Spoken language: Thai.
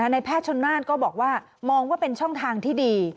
ในแพทย์ชนนานก็บอกว่ามองว่าเป็นช่องทางที่ดี